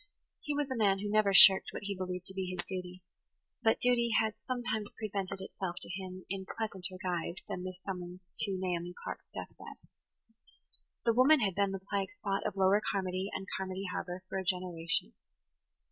He was a man who never shirked what he believed to be his duty; but duty had sometimes presented itself to him in pleasanter guise than this summons to Naomi Clark's death bed. The woman had been the plague spot of Lower Carmody and Carmody Harbour for a generation.